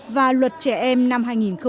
và luật trẻ em năm hai nghìn một mươi